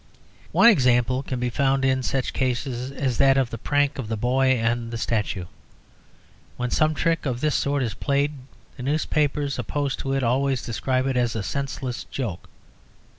One example can be found in such cases as that of the prank of the boy and the statue. When some trick of this sort is played, the newspapers opposed to it always describe it as "a senseless joke."